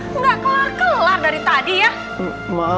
nggak kelar kelar dari tadi ya